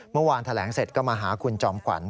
เมื่อวานแถลงเสร็จก็มาหาคุณจอมขวัญ